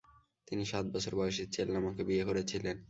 তিনি সাত বছর বয়সী চেল্লামাকে বিয়ে করেছিলেন।